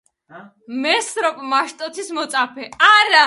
მესროპ მაშტოცის მოწაფე.